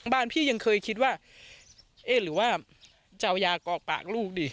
บ้านพี่ยังเคยคิดว่าเอ๊ะหรือว่าจะเอายากอกปากลูกดิ